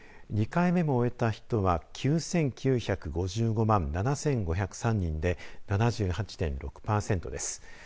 ２回目も終えた人は９９５５万７５０３人で７８．６パーセントです。